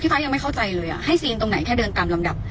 พระยังไม่เข้าใจเลยให้ซีนตรงไหนแค่เดินตามลำดับ